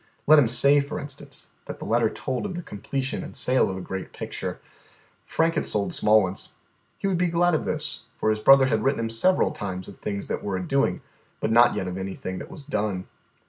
Let him say, for instance, that the letter told of the completion and sale of a great picture. Frank had sold small ones. He would be glad of this, for his brother had written him several times of things that were a doing, but not yet of anything that was done.